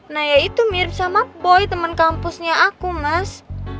nah ya itu mirip sama boy kampusnya aku mas